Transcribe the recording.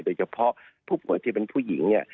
โดยเฉพาะผู้ป่วยที่เป็นผู้หญิงเนี่ย